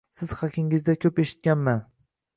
Siz haqingizda ko'p eshitganman.